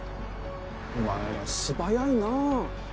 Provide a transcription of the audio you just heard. お前ら素早いな。